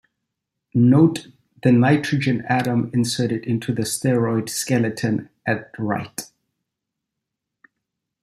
Note the nitrogen atom inserted into the steroid skeleton at right.